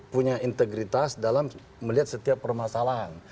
punya integritas dalam melihat setiap permasalahan